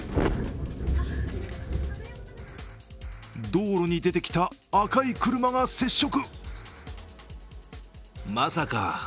道路に出てきた赤い車が接触。